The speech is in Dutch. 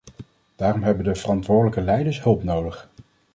Daarom hebben de verantwoordelijke leiders hulp nodig.